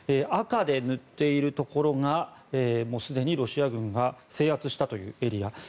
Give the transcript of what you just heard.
赤で塗っているところがすでにロシア軍が制圧したというエリア。